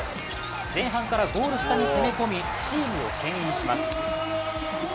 前半からゴール下に攻め込みチームをけん引します。